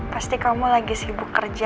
pasti kamu lagi sibuk kerja